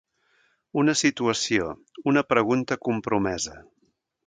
Una situació, una pregunta compromesa.